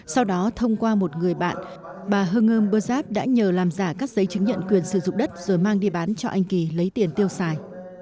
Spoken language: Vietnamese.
sau đó thông qua một người bạn bà hờ ngơm bờ đắp đã nhờ làm giả các giấy chứng nhận quyền sử dụng đất rồi mang đi bán cho anh kỳ lấy tiền tiêu xài